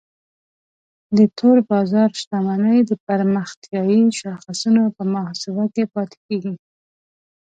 د تور بازار شتمنۍ د پرمختیایي شاخصونو په محاسبه کې پاتې کیږي.